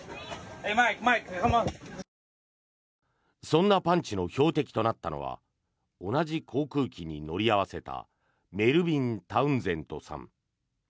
そんなパンチの標的となったのは同じ航空機に乗り合わせたメルビン・タウンゼントさん。